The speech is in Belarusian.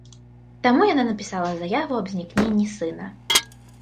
Таму яна напісала заяву аб знікненні сына.